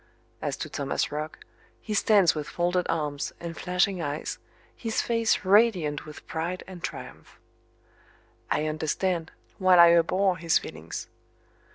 As to Thomas Roch, he stands with folded arms, and flashing eyes, his face radiant with pride and triumph. I understand, while I abhor his feelings.